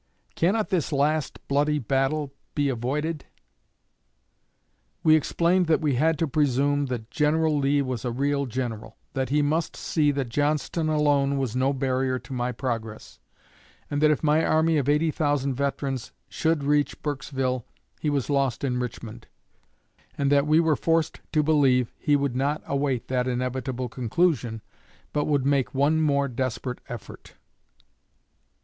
Cannot this last bloody battle be avoided?' We explained that we had to presume that General Lee was a real general; that he must see that Johnston alone was no barrier to my progress, and that if my army of 80,000 veterans should reach Burksville he was lost in Richmond; and that we were forced to believe he would not await that inevitable conclusion, but would make one more desperate effort."